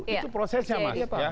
itu prosesnya mas